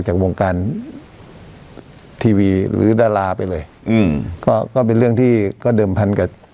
จากวงการทีวีหรือดาราไปเลยอืมก็ก็เป็นเรื่องที่ก็เดิมพันกับ